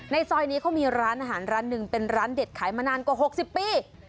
ซอยนี้เขามีร้านอาหารร้านหนึ่งเป็นร้านเด็ดขายมานานกว่า๖๐ปี